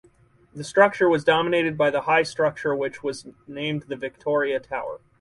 The structure was dominated by the high structure which was named the "Victoria Tower".